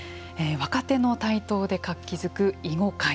若手の台頭で活気づく囲碁界。